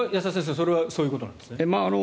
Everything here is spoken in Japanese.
それはそういうことなんですね。